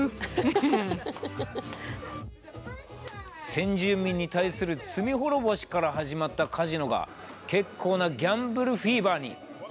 先住民に対する罪滅ぼしから始まったカジノが結構なギャンブルフィーバーに。